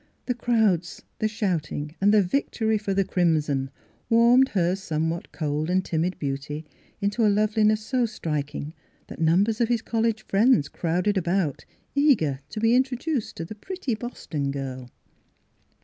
The crowds, the shouting and the victory for ]\Iiss Philura's Wedding Gown the Crimson warmed her somewhat cold and timid beauty into a loveliness so strik ing that numbers of his college friends crowded about eager to be introduced to the pretty Boston girl.